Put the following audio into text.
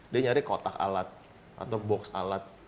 dia nyari kotak alat atau box alat